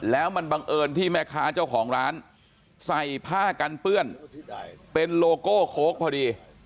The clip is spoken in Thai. แล้วมันบังเอิญที่แม่ค้าเจ้าของร้านใส่ผ้ากันเปื้อนเป็นโลโก้โค้กพอดี